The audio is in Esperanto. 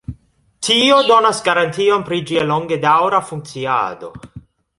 Tio donas garantion pri ĝia longedaŭra funkciado.